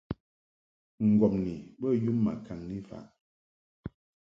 Ŋgɔmni bə yum ma kaŋni faʼ.